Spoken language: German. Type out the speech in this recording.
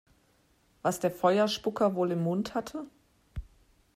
Was der Feuerspucker wohl im Mund hatte?